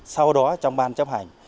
sau đó trong ban chấp hành